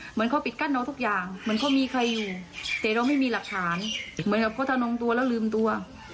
เหมือนเขาปิดกั้นน้องทุกอย่างเหมือนเขามีใครอยู่แต่เราไม่มีหลักฐานเหมือนกับเขาทะนองตัวแล้วลืมตัว